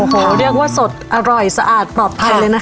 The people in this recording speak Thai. โอ้โหเรียกว่าสดอร่อยสะอาดปลอดภัยเลยนะคะ